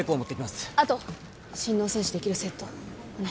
あと心嚢穿刺できるセットお願い。